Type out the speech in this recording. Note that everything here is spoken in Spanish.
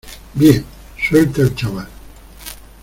bien. ¡ suelte al chaval!